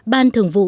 ban thường vụ